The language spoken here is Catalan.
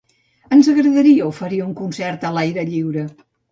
Ens agradaria oferir un concert a l'aire lliure.